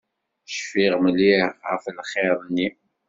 Cfiɣ mliḥ ɣef lxir-nni.